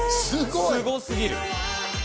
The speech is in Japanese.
すごすぎる。